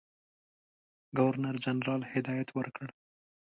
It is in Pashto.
ګورنرجنرال هدایت ورکړ.